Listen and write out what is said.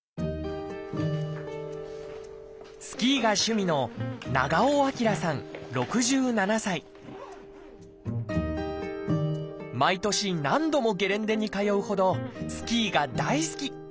スキーが趣味の毎年何度もゲレンデに通うほどスキーが大好き！